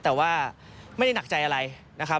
แต่ว่าไม่ได้หนักใจอะไรนะครับ